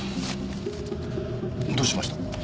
どうしました？